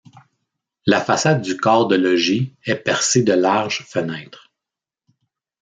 La façade du corps de logis est percée de larges fenêtres.